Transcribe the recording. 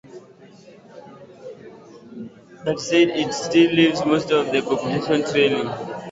That said, it still leaves most of the competition trailing.